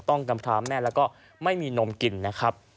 ต้องกำพร้าวแม่แล้วก็ไม่มีนมกลิ่นนะครับ